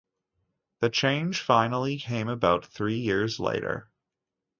The change finally came about three years later.